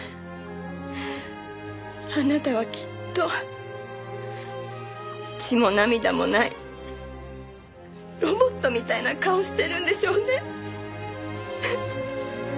あなたはきっと血も涙もないロボットみたいな顔してるんでしょうね。